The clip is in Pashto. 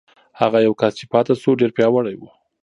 هغه یو کس چې پاتې شو، ډېر پیاوړی و.